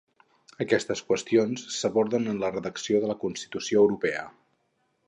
Aquestes qüestions s'aborden en la redacció de la Constitució Europea.